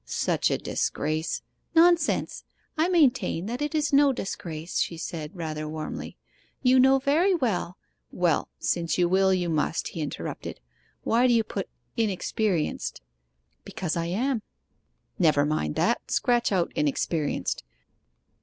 'Such a disgrace ' 'Nonsense! I maintain that it is no disgrace!' she said, rather warmly. 'You know very well ' 'Well, since you will, you must,' he interrupted. 'Why do you put "inexperienced?"' 'Because I am.' 'Never mind that scratch out "inexperienced."